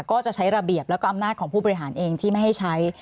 ก็จะใช้ระเบียบแล้วก็อำนาจของผู้บริหารเองที่ไม่ให้ใช้